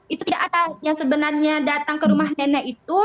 itu tidak ada yang sebenarnya datang ke rumah nenek itu